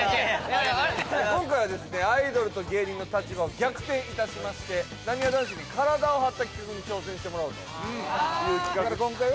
今回はですねアイドルと芸人の立場を逆転致しましてなにわ男子に体を張った企画に挑戦してもらおうと。